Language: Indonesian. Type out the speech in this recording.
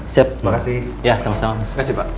siap ya sama sama